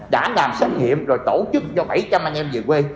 đã làm xét nghiệm rồi tổ chức cho bảy trăm linh anh em về quê